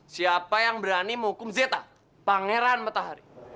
siapa yang berani menghukum zeta pangeran matahari